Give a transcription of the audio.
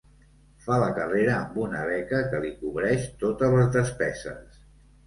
Fa la carrera amb una beca que li cobreix totes les despeses.